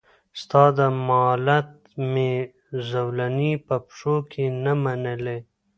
ستا د مالت مي زولنې په پښو کي نه منلې